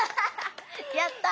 やったぁ！